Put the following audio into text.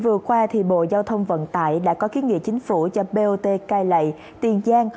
vừa qua bộ giao thông vận tải đã có kiến nghị chính phủ cho bot cai lệ tiền giang